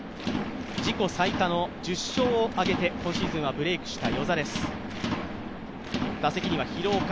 自己最多の１０勝を挙げて今シーズンはブレークした與座です。